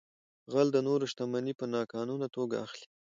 غل د نورو شتمنۍ په ناقانونه توګه اخلي